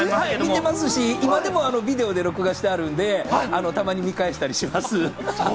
見てますし、今でもビデオで録画してるんで、たまに見返したりします。